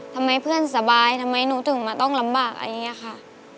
ทำไมเพื่อนสบายทำไมหนูถึงมาต้องลำบากอะไรอย่างนี้ค่ะ